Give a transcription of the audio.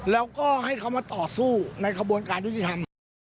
แล้วก็ให้เขามาต่อสู้ในกระบวนการยุติธรรม